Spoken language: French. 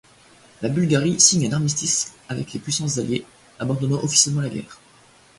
La Bulgarie signe un armistice avec les puissances alliées, abandonnant officiellement la guerre.